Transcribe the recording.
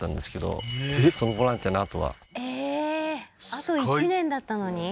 あと１年だったのに？